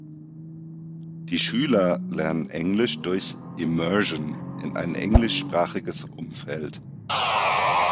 Die Schüler lernen Englisch durch „Immersion“ in ein englischsprachiges Umfeld.